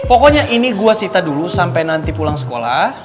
pokoknya ini gua sita dulu sampai nanti pulang sekolah